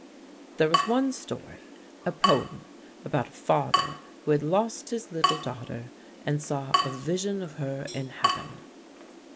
"There was one story, a poem about a father who had lost his little daughter, and saw a vision of her in heaven."